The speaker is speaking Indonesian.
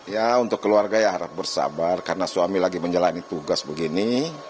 ya untuk keluarga ya harap bersabar karena suami lagi menjalani tugas begini